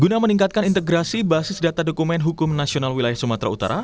guna meningkatkan integrasi basis data dokumen hukum nasional wilayah sumatera utara